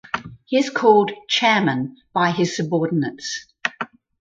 He is called "Chairman" by his subordinates.